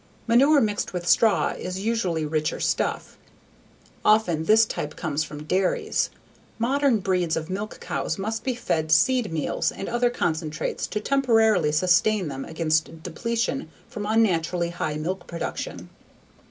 Manure mixed with straw is usually richer stuff. Often this type comes from dairies. Modern breeds of milk cows must be fed seed meals and other concentrates to temporarily sustain them against depletion from unnaturally high milk production.